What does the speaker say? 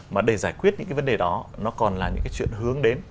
mà để giải quyết những cái vấn đề đó nó còn là những cái chuyện hướng đến